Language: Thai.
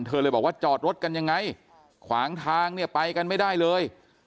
เลยบอกว่าจอดรถกันยังไงขวางทางเนี่ยไปกันไม่ได้เลย